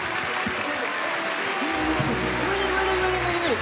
無理無理無理無理無理！